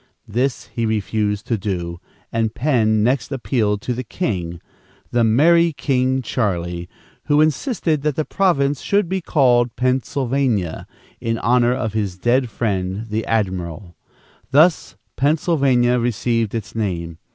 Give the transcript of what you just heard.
This he refused to do, and Penn next appealed to the king "the merrie King Charlie," who insisted that the province should be called Pennsylvania, in honor of his dead friend the admiral. Thus Pennsylvania received its name.